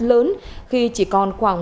lớn khi chỉ còn khoảng